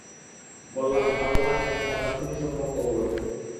বললাম, আল্লাহ এবং তাঁর রাসূলই সম্যক অবগত।